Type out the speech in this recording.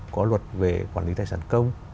có luật về quản lý tài sản công